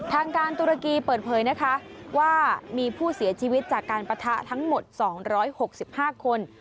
ทางการตุรกีเปิดเผยนะคะว่ามีผู้เสียชีวิตจากการปะทะทั้งหมด๒๖๕คน